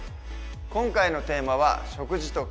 今回のテーマは「食事と健康」。